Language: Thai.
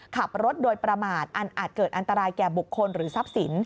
ขับรถโดยประมาทอันอาจเกิดอันตรายแก่บุคคลหรือทรัพย์สิน